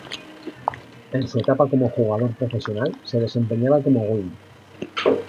En su etapa como jugador profesional se desempeñaba como wing.